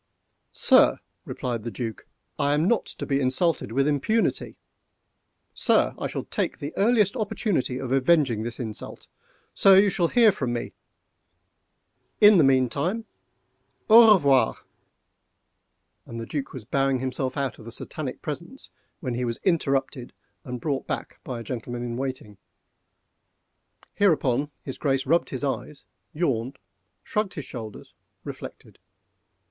"Sir!" replied the Duc, "I am not to be insulted with impunity!—Sir! I shall take the earliest opportunity of avenging this insult!—Sir! you shall hear from me! in the meantime au revoir!"—and the Duc was bowing himself out of the Satanic presence, when he was interrupted and brought back by a gentleman in waiting. Hereupon his Grace rubbed his eyes, yawned, shrugged his shoulders, reflected.